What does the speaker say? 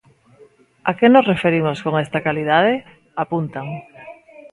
"A que nos referimos con esta calidade?", apuntan.